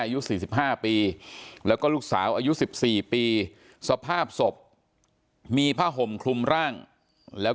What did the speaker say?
อายุ๔๕ปีแล้วก็ลูกสาวอายุ๑๔ปีสภาพศพมีผ้าห่มคลุมร่างแล้ว